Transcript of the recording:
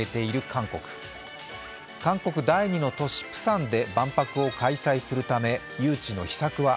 韓国第２の都市・プサンで万博を開催するため、誘致の秘策は